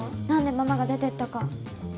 なんでママが出てったか。